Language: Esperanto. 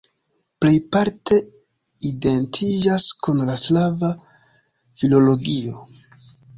Plejparte identiĝas kun la slava filologio.